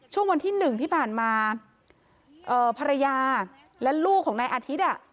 ช่วงวันที่๑ที่ผ่านมาภรรยาและลูกของนายอาทิตย์